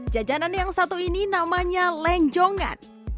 jajanan yang satu ini namanya lengcongan